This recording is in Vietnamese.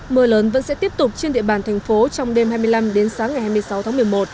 mưa lớn vẫn sẽ tiếp tục trên địa bàn thành phố trong đêm hai mươi năm đến sáng ngày hai mươi sáu tháng một mươi một